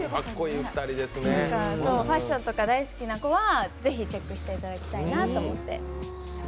ファッションとか大好きな子は、ぜひチェックしていただきたいなと思って。